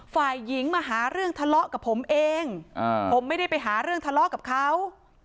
ฝ่ายหญิงมาหาเรื่องทะเลาะกับผมเองผมไม่ได้ไปหาเรื่องทะเลาะกับเขา